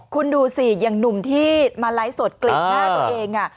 คุณดูสิอย่างหนุ่มที่มาไลฟ์สดกลิ่นหน้าตัวเอง